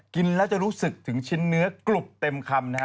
กินแล้วจะรู้สึกถึงชิ้นเนื้อกรุบเต็มคำนะฮะ